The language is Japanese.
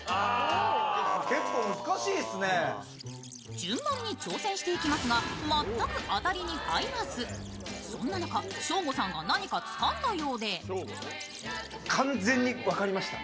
順番に挑戦していますが、全くアタリに入らずそんな中、ショーゴさんが何かつかんだようで完全に分かりました。